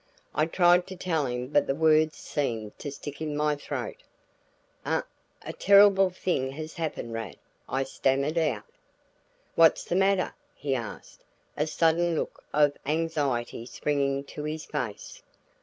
I tried to tell him but the words seemed to stick in my throat. "A a terrible thing has happened, Rad," I stammered out. "What's the matter?" he asked, a sudden look of anxiety springing to his face.